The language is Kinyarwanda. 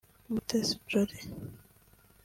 Mutesi Jolly